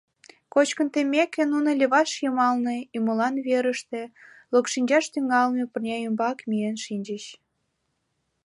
Кочкын теммеке нуно леваш йымалне, ӱмылан верыште, локшинчаш тӱҥалме пырня ӱмбак миен шинчыч.